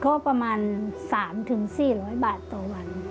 ก็ประมาณ๓๔๐๐บาทต่อวัน